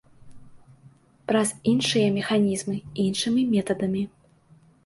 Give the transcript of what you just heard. Праз іншыя механізмы, іншымі метадамі.